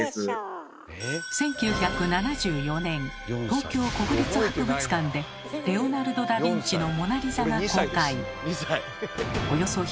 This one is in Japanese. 東京国立博物館でレオナルド・ダビンチの「モナリザ」が公開。